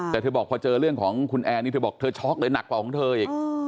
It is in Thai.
แต่เธอบอกพอเจอเรื่องของคุณแอร์นี่เธอบอกเธอช็อกเลยหนักกว่าของเธออีก